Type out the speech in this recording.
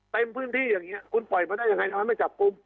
เต็มพื้นที่อย่างนี้คุณปล่อยมาได้ยังไงทำไมไม่จับกลุ่ม